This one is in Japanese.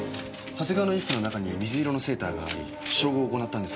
長谷川の衣服の中に水色のセーターがあり照合を行ったんですが。